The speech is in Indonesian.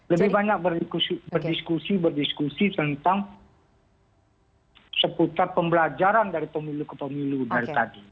lebih banyak berdiskusi berdiskusi tentang seputar pembelajaran dari pemilu ke pemilu dari tadi